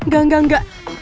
gak gak gak